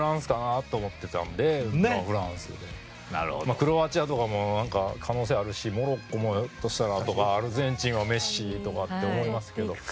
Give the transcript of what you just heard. クロアチアとかも可能性あるしモロッコもひょっとしたらとかアルゼンチンはメッシとかって思いますけど。